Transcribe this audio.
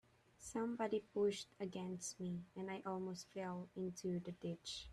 Somebody pushed against me, and I almost fell into the ditch.